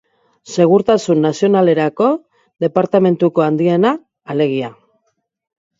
Segurtasun Nazionalerako Departamentuko handiena, alegia.